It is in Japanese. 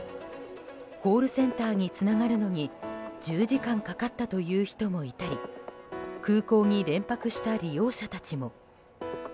コールセンターにつながるのに１０時間かかったという人もいたり空港に連泊した利用者たちも。